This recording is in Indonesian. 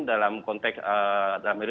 dalam konteks dalam